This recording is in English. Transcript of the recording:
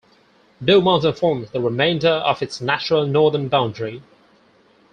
Blue Mountain forms the remainder of its natural northern boundary.